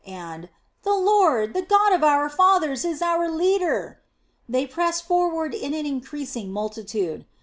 and "The Lord, the God of our fathers, is our leader!" they pressed forward in an increasing multitude.